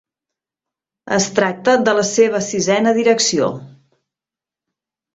Es tracta de la seva sisena direcció.